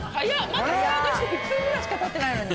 まだスタートして１分ぐらいしかたってないのに。